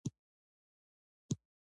دوی باید یوځای وي.